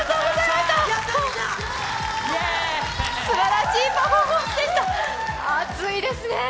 すばらしいパフォーマンスでした、熱いですね。